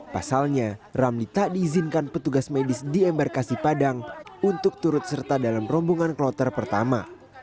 pasalnya ramli tak diizinkan petugas medis di embarkasi padang untuk turut serta dalam rombongan kloter pertama